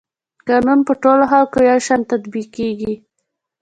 قانون په ټولو خلکو یو شان تطبیقیږي.